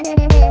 kau mau kemana